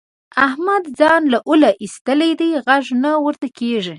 احمد ځان له اوله اېستلی دی؛ غږ نه ورته کېږي.